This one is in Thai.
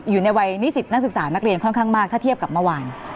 อยู่ในวัยนิสิตนักศึกษานักเรียนค่อนข้างมากถ้าเทียบกับเมื่อวาน